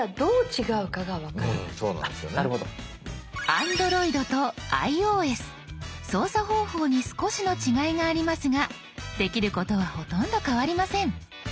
ＡｎｄｒｏｉｄとｉＯＳ操作方法に少しの違いがありますができることはほとんど変わりません。